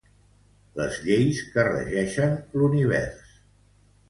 Les lleis que regeixen l'univers.